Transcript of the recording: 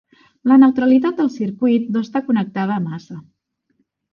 La neutralitat del circuit no està connectada a massa.